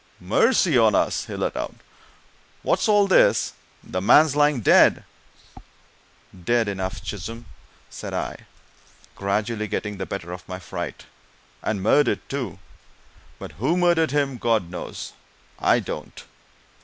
"Mercy on us!" he let out. "What's all this? The man's lying dead!" "Dead enough, Chisholm!" said I, gradually getting the better of my fright. "And murdered, too! But who murdered him, God knows I don't!